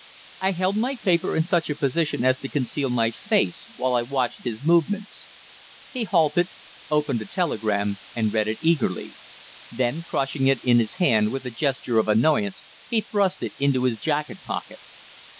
I held my paper in such position as to conceal my face while I watched his movements. He halted, opened a telegram, and read it eagerly. Then, crushing it in his hand with a gesture of annoyance, he thrust it into his jacket pocket.